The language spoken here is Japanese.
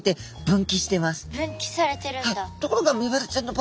分岐されてるんだ。